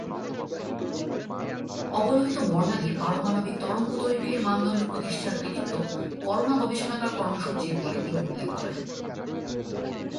অবলোহিত বর্ণালির পারমাণবিক তরঙ্গদৈর্ঘ্যের মানদণ্ড প্রতিষ্ঠার কৃতিত্ব, করোনা গবেষণাগার কর্মসূচি’র বলে তিনি উল্লেখ করেন।